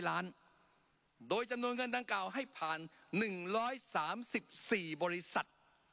ล้านโดยจำนวนเงินดังกล่าวให้ผ่าน๑๓๔บริษัท